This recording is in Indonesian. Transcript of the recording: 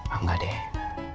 ah enggak deh